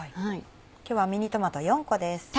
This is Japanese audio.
今日はミニトマト４個です。